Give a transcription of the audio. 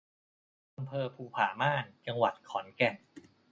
อำเภอภูผาม่าน จังหวัดขอนแก่น